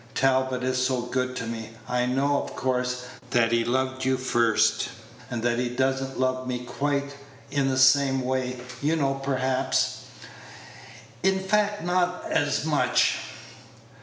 Talbot is so good to me. I know, of course, that he loved you first, and that he does n't love me quite in the same way, you know perhaps, in fact not as much."